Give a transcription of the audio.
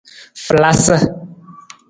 Falasa.